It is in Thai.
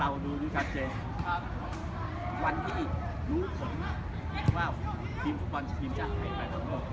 เราดูนุชาชเจนวันที่รู้สึกว่าปีมสุบรรย์ความสุข่าวใหญ่กว่าทางโลก